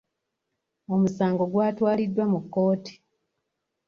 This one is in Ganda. Omusango gwatwaliddwa mu kkooti.